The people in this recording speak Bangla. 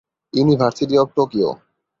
University of Tokyo.